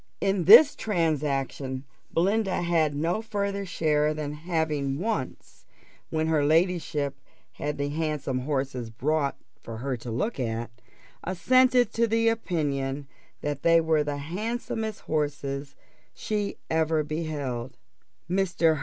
In this transaction Belinda had no farther share than having once, when her ladyship had the handsome horses brought for her to look at, assented to the opinion that they were the handsomest horses she ever beheld. Mr.